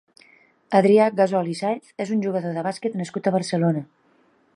Adrià Gasol i Sáez és un jugador de bàsquet nascut a Barcelona.